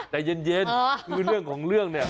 ใจเย็นคือเรื่องของเรื่องเนี่ย